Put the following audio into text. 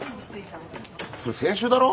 それ先週だろ！？